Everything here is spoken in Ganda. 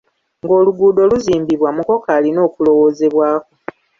Nga oluguudo luzimbibwa mukoka alina okulowoozebwako.